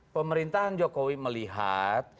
pemerintahan jokowi melihat